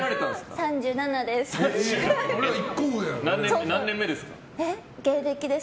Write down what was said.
３７です。